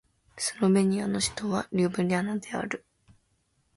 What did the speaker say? スロベニアの首都はリュブリャナである